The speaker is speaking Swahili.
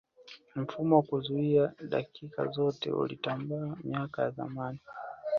mfumo wa kuzuia dakika zote ulitamba miaka ya zamani